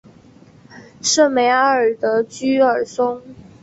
圣梅阿尔德居尔松。